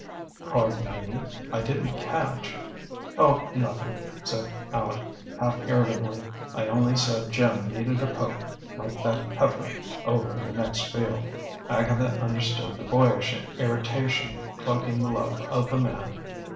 "Pardon me, I didn't catch " "Oh, nothing," said Aleck, half irritably. "I only said Jim needed a poke, like that heifer over in the next field." Agatha understood the boyish irritation, cloaking the love of the man.